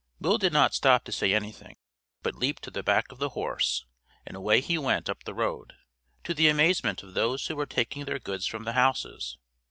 Will did not stop to say anything, but leaped to the back of the horse, and away he went up the road, to the amazement of those who were taking their goods from the houses.